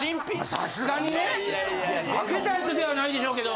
さすがにねあけたやつではないでしょうけど。